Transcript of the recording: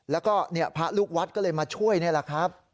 แล้วก็พระลูกวัดก็เลยมาช่วยนี่แหละครับ